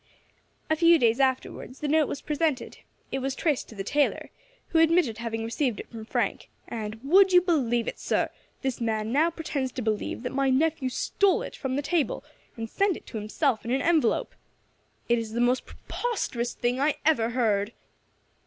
A few days afterwards the note was presented; it was traced to the tailor, who admitted having received it from Frank; and would you believe it, sir, this man now pretends to believe that my nephew stole it from the table, and sent it to himself in an envelope. It's the most preposterous thing I ever heard."